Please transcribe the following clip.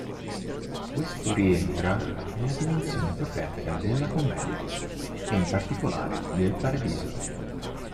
Questo rientra nella dimensione profetica della "Commedia" e in particolare del Paradiso.